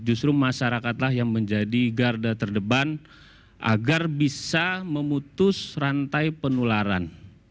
justru masyarakatlah yang menjadi garda terdepan agar bisa memutus rantai penularan